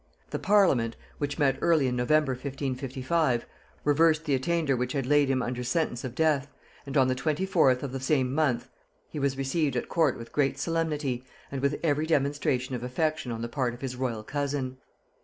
The parliament, which met early in November 1554, reversed the attainder which had laid him under sentence of death, and on the 24th of the same month he was received at court with great solemnity, and with every demonstration of affection on the part of his royal cousin.